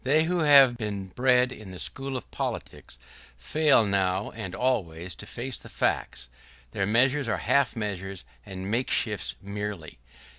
They who have been bred in the school of politics fail now and always to face the facts. Their measures are half measures and makeshifts merely.